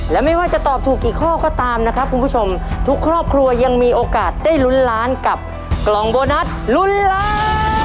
และไม่ว่าจะตอบถูกกี่ข้อก็ตามนะครับคุณผู้ชมทุกครอบครัวยังมีโอกาสได้ลุ้นล้านกับกล่องโบนัสลุ้นล้าน